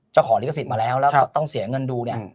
เจ้าของลิขสิทธิ์มาแล้วแล้วต้องเสียเงินดูเนี่ย